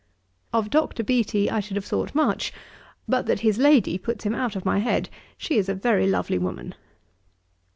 'Of Dr. Beattie I should have thought much, but that his lady puts him out of my head; she is a very lovely woman.